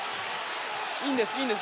いいんです。